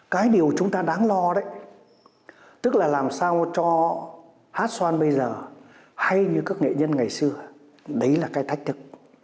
cái điều chúng ta đáng lo đấy tức là làm sao cho hát xoan bây giờ hay như các nghệ nhân ngày xưa đấy là cái thách thức